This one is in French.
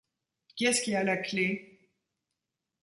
Qui est-ce qui a la clef ?